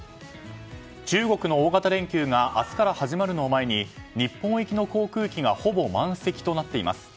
中国の大型連休が明日から始まるのを前に日本行きの航空機がほぼ満席となっています。